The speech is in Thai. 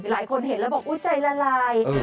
หลายคนเห็นแล้วบอกอุ๊ยใจละลาย